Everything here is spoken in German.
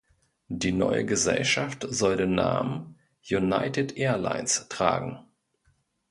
Die neue Gesellschaft soll den Namen "United Airlines" tragen.